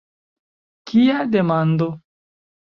Kia demando!